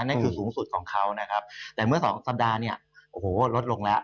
นั่นคือสูงสุดของเขานะครับแต่เมื่อสองสัปดาห์เนี่ยโอ้โหลดลงแล้ว